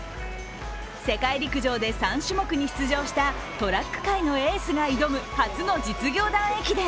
世界陸上で３種目に出場したトラック界のエースが挑む初の実業団駅伝。